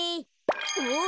おっ！